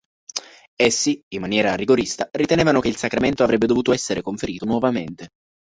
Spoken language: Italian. Essi, in maniera rigorista, ritenevano che il sacramento avrebbe dovuto essere conferito nuovamente.